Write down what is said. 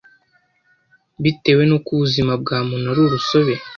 bitewe n’uko ubuzima bwa muntu ari urusobe